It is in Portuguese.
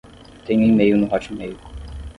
Tenho e-mail no Hotmail